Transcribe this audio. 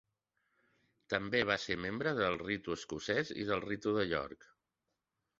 També va ser membre del ritu Escocès i del ritu de York.